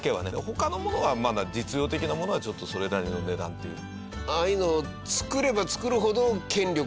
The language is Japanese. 他のものはまだ実用的なものはちょっとそれなりの値段っていう。